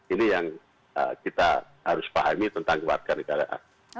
ini yang kita harus pahami tentang kewarganegaraan